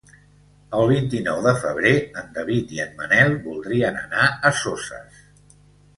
El vint-i-nou de febrer en David i en Manel voldrien anar a Soses.